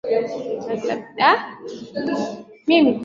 na klabu yake mchezaji huyo hajaonekana tangu februari ishirini